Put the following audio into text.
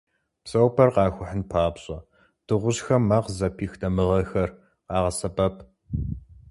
Я псэупӏэр «къахухьын» папщӏэ, дыгъужьхэм мэ къызыпих дамыгъэхэр къагъэсэбэп.